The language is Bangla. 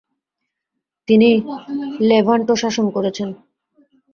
তিনি লেভান্টও শাসন করেছেন।